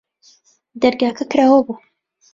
دەرگاکە کراوە بوو.